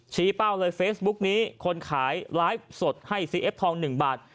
เป้าเลยเฟซบุ๊กนี้คนขายไลฟ์สดให้ซีเอฟทอง๑บาท